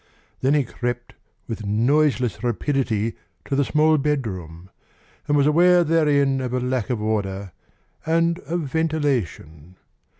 Then he crept with noiseless rapidity to the small bedroom, and was aware therein of a lack of order and of ventilation.